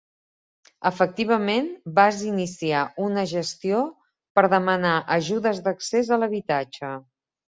Efectivament vas iniciar una gestió per demanar ajudes d'accés a l'habitatge.